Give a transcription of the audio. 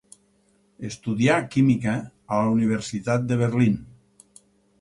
Estudià química a la Universitat de Berlín.